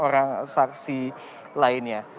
yang saksi lainnya